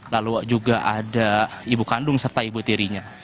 lalu juga ada ibu kandung serta ibu tirinya